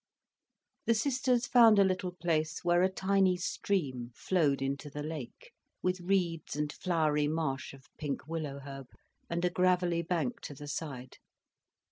The sisters found a little place where a tiny stream flowed into the lake, with reeds and flowery marsh of pink willow herb, and a gravelly bank to the side.